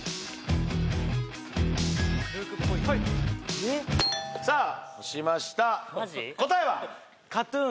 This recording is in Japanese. はいさあ押しました答えは！？